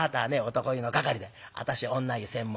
男湯の係で私は女湯専門」。